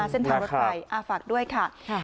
เส้นทางรถไฟฝากด้วยค่ะ